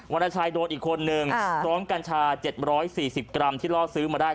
รณชัยโดนอีกคนนึงพร้อมกัญชา๗๔๐กรัมที่ล่อซื้อมาได้